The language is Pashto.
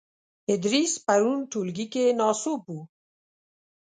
ادریس پرون ټولګې کې ناسوب وو .